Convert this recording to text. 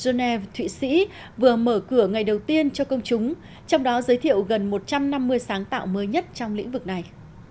geneva thụy sĩ vừa mở cửa ngày đầu tiên cho công chúng trong đó giới thiệu gần một trăm năm mươi sáng tạo mới nhất trong lĩnh vực này